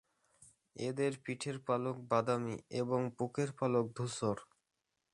এদের পিঠের পালক বাদামী এবং বুকের পালক ধূসর।